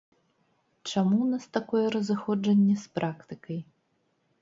Чаму ў нас такое разыходжанне з практыкай?